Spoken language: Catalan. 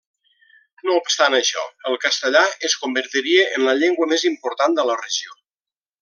No obstant això, el castellà es convertiria en la llengua més important de la regió.